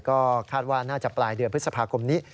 ก็คาดว่าน่าจะปลายเดือนพฤษภาคมนี้